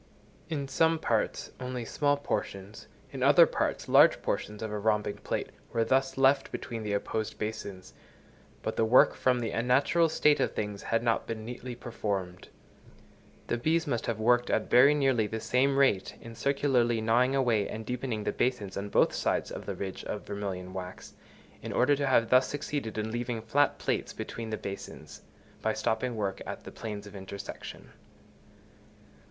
In some parts, only small portions, in other parts, large portions of a rhombic plate were thus left between the opposed basins, but the work, from the unnatural state of things, had not been neatly performed. The bees must have worked at very nearly the same rate in circularly gnawing away and deepening the basins on both sides of the ridge of vermilion wax, in order to have thus succeeded in leaving flat plates between the basins, by stopping work at the planes of intersection.